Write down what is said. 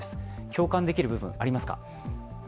共感できる部分、ありますか？